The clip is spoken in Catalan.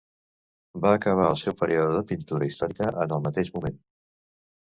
Va acabar el seu període de pintura històrica en el mateix moment.